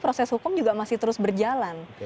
proses hukum juga masih terus berjalan